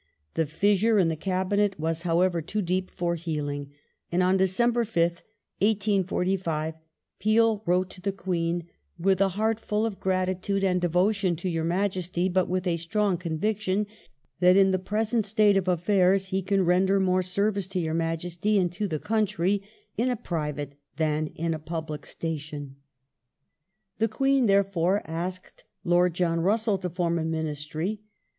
The fissure in the Cabinet was, however, too deep for healing, and on December 5th, 1845, Peel wrote to the Queen " with a heart full of gratitude and devotion to your Majesty, but with a strong conviction ... that in the present state of affairs he can render more service to your Majesty and to the country in a private than in a public station ".^ The Queen, therefore, asked Lord John Russell to form aMinisteri Ministry.